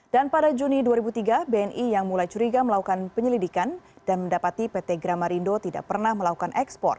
dan pada juni dua ribu tiga bni yang mulai curiga melakukan penyelidikan dan mendapati pt gramarindo tidak pernah melakukan ekspor